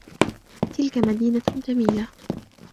تلك مدينة جميلة.